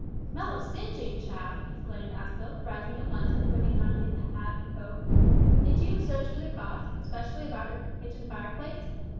"Smell of singeing, child!" exclaimed Aspel, rising at once and putting on his coat and hat. "Did you search for the cause, especially about your kitchen fireplace?"